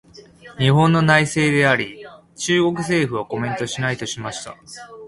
「日本の内政であり、中国政府はコメントしない」としました。